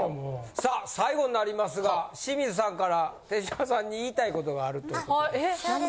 さあ最後になりますが清水さんから手島さんに言いたいことがあるということで。